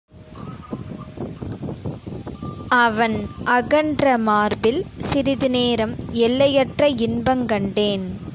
அவன் அகன்ற மார்பில் சிறிது நேரம் எல்லையற்ற இன்பங் கண்டேன்.